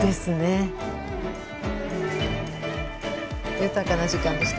豊かな時間でした。